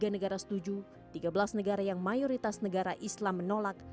tiga negara setuju tiga belas negara yang mayoritas negara islam menolak